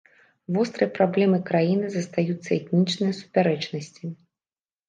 Вострай праблемай краіны застаюцца этнічныя супярэчнасці.